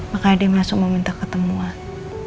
makanya dia langsung meminta ketemuan